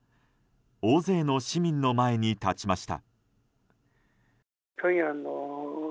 大勢の市民の前に立ちました。